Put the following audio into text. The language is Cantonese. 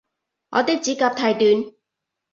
我啲指甲太短